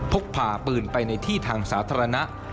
พกพาปืนไปในที่ทางสาธารณะ